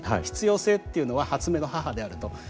必要性っていうのは発明の母であると。